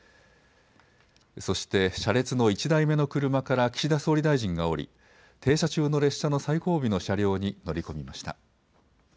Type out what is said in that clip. そして車列の１台目の車から岸田総理大臣が降り停車中の列車の最後尾の車両に乗り込みました。